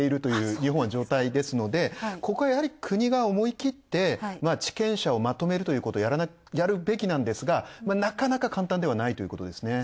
日本は状態ですので、ここはやはり、思い切って、地権者をまとめることをやるべきなんですが、なかなか簡単ではないと。